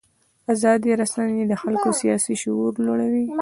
ازادې رسنۍ د خلکو سیاسي شعور لوړوي.